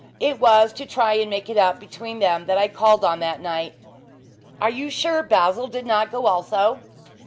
It was to try and make it up between them that I called on that night." "Are you sure Basil did not go also?"